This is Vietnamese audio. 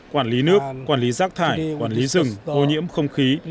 quản lý nước quản lý rác thải quản lý rừng ô nhiễm không khí